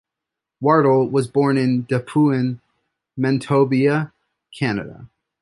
Wardle was born in Dauphin, Manitoba, Canada.